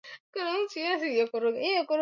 ea fedha ili kuweza kuipigia debe basi